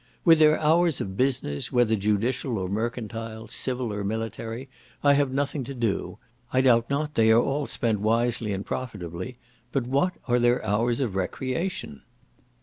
With their hours of business, whether judicial or mercantile, civil or military, I have nothing to do; I doubt not they are all spent wisely and profitably; but what are their hours of recreation?